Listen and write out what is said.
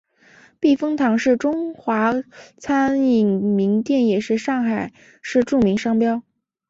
避风塘是中华餐饮名店也是上海市著名商标。